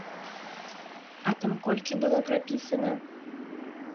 А там колькі было прапісана?